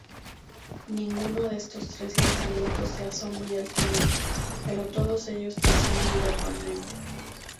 Ninguno de estos tres lanzamientos trazó muy altamente, pero todos ellos trazó muy gradualmente.